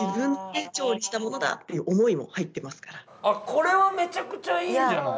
これはめちゃくちゃいいんじゃない？